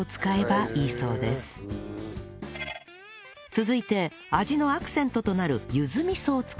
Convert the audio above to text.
続いて味のアクセントとなるゆず味噌を作ります